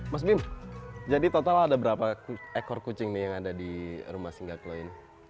mas bim jadi total ada berapa ekor kucing yang ada di rumah singgah klau